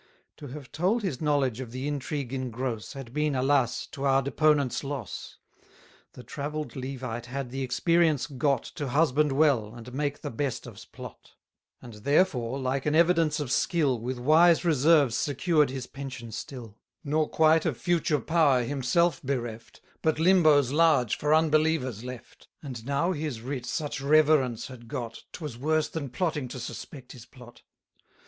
To have told his knowledge of the intrigue in gross, Had been, alas! to our deponent's loss: The travell'd Levite had the experience got, To husband well, and make the best of's Plot; 90 And therefore, like an evidence of skill, With wise reserves secured his pension still; Nor quite of future power himself bereft, But limbos large for unbelievers left. And now his writ such reverence had got, 'Twas worse than plotting to suspect his Plot.